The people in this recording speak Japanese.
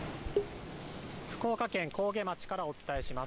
福岡県からお伝えします。